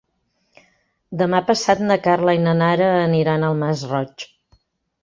Demà passat na Carla i na Nara aniran al Masroig.